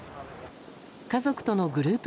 家族とのグループ